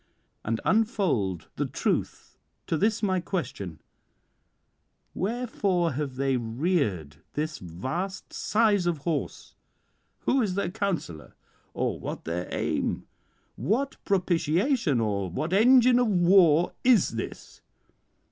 And unfold the truth to this my question: wherefore have they reared this vast size of horse? who is their counsellor? or what their aim? what propitiation, or what engine of war is this?"